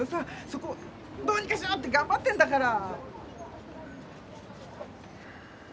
そこをどうにかしようってがんばってんだから！